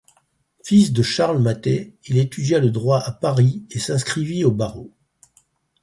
Fils de Charles Mathey, il étudia le droit à Paris et s'inscrivit au barreau.